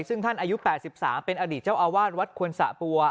ซึ่งท่านอายุ๘๓เป็นอดีตเจ้าอาวาสวัดควนสะบัว